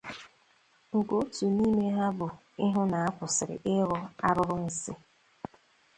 nke otu n'ime ha bụ ịhụ na a kwụsịrị ịrụ arụrụ nsị